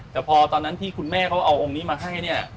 แต่พอตอนนั้นที่คุณแม่เขาเอาองค์นี้มาให้เนี่ย